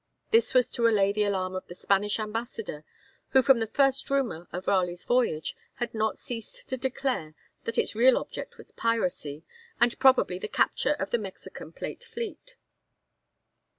This was to allay the alarm of the Spanish ambassador, who from the first rumour of Raleigh's voyage had not ceased to declare that its real object was piracy, and probably the capture of the Mexican plate fleet.